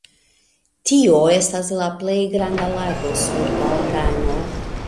Tio estas la plej granda lago sur Balkano.